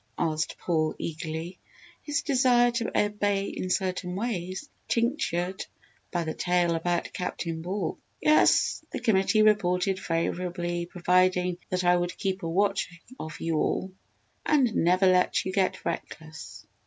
asked Paul, eagerly, his desire to obey in certain ways, tinctured by the tale about Captain Ball. "Yes, the committee reported favorably providing that I would keep watch of you all and never let you get reckless!"